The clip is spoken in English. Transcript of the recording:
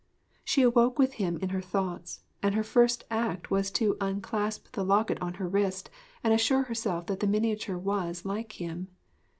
She awoke with him in her thoughts, and her first act was to unclasp the locket on her wrist and assure herself that the miniature was like him.